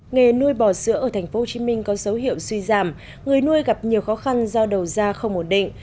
nghề nuôi bò sữa ở tp hcm có dấu hiệu suy giảm người nuôi gặp nhiều khó khăn do đầu ra không ổn định